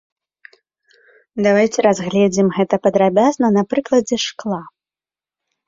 Давайце разгледзім гэта падрабязна на прыкладзе шкла.